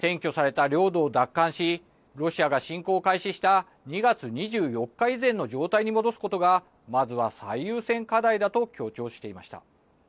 ゼレンスキー大統領もインタビューで占拠された領土を奪還しロシアが侵攻開始した２月２４日以前の状態に戻すことがまずは最優先課題だと強調していました。